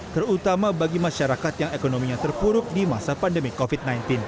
terutama bagi masyarakat yang ekonominya terpuruk di masa pandemi covid sembilan belas